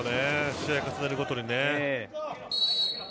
試合重ねるごとにね。